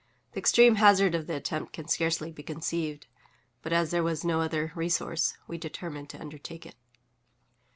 The extreme hazard of the attempt can scarcely be conceived; but, as there was no other resource, we determined to undertake it.